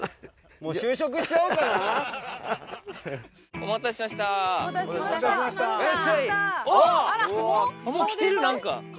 もう着てる何か。